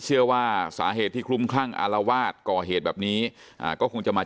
เชื่อว่าสาเหตุที่คลุ้มคลั่งอารวาสก่อเหตุแบบนี้ก็คงจะมา